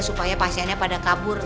supaya pasiennya pada kabur